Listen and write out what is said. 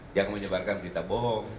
jangan menyebarkan berita bohong